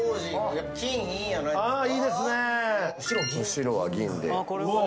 後ろは銀で。